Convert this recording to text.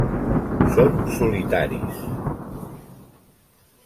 Són solitaris.